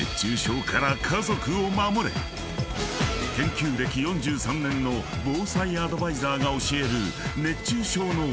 ［研究歴４３年の防災アドバイザーが教える］